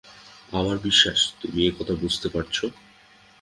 আমার বিশ্বাস তুমি একথা বুঝতে পারছ।